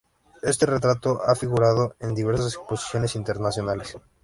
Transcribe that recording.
Este retrato ha figurado en diversas exposiciones internacionales.